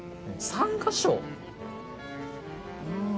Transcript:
３か所？